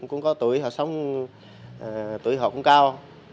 cũng có tuổi họ sống tuổi họ cũng cao